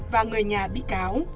và người nhà bi cáo